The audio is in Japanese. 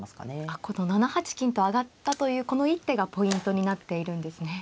あっこの７八金と上がったというこの一手がポイントになっているんですね。